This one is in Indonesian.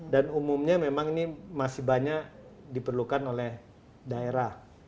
dan umumnya memang ini masih banyak diperlukan oleh daerah